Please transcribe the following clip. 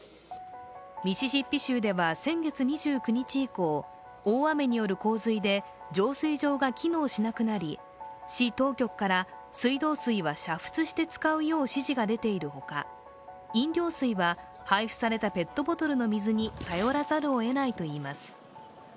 ミシシッピ州では先月２９日以降大雨による洪水で浄水場が機能しなくなり、市当局から水道水は煮沸して使うよう指示が出ている他、飲料水は配布されたペットボトルの水に頼らざるを得ないといいます。